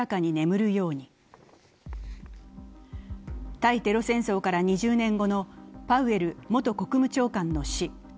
対テロ戦争から２０年後のパウエル元国務長官の死。